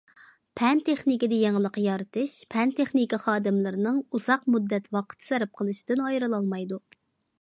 پەن- تېخنىكىدا يېڭىلىق يارىتىش پەن- تېخنىكا خادىملىرىنىڭ ئۇزاق مۇددەت ۋاقىت سەرپ قىلىشىدىن ئايرىلالمايدۇ.